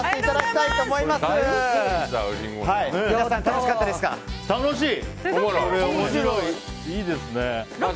いいですね。